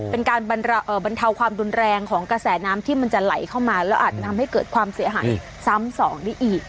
เป็นการบรรเทาความรุนแรงของกระแสน้ำที่มันจะไหลเข้ามาแล้วอาจจะทำให้เกิดความเสียหายซ้ำสองได้อีก